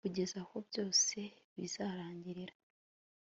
kugeza aho byose bizarangirira